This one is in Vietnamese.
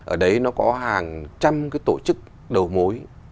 ở đấy nó có hàng trăm cái tổ chức đầu mối